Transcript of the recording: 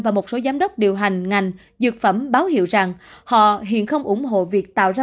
và một số giám đốc điều hành ngành dược phẩm báo hiệu rằng họ hiện không ủng hộ việc tạo ra